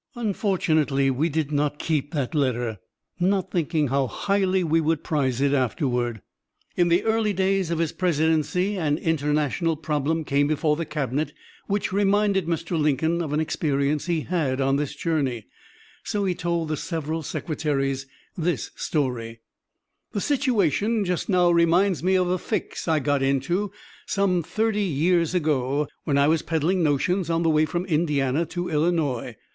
Unfortunately we did not keep that letter, not thinking how highly we would prize it afterward." In the early days of his presidency, an international problem came before the cabinet which reminded Mr. Lincoln of an experience he had on this journey, so he told the several secretaries this story: "The situation just now reminds me of a fix I got into some thirty years ago when I was peddling 'notions' on the way from Indiana to Illinois.